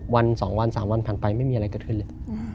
วัน๒วัน๓วันผ่านไปไม่มีอะไรเกิดขึ้นเลย